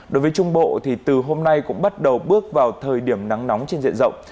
đối với trung bộ thì từ hôm nay cũng bắt đầu bước vào thời điểm nắng nóng trên diện rộng